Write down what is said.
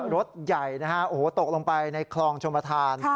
รถใหญ่นะฮะโอ้โหตกลงไปในคลองชมประธาน